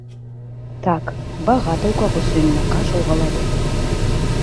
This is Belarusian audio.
Так, багата ў каго сёння каша ў галаве.